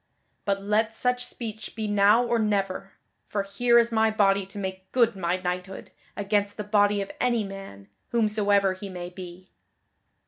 But let such speech be now or never, for here is my body to make good my knighthood against the body of any man, whomsoever he may be."